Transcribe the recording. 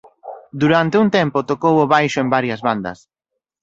Durante un tempo tocou o baixo en varias bandas.